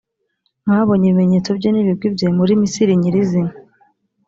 mwabonye ibimenyetso bye n’ibigwi bye muri misiri nyirizina,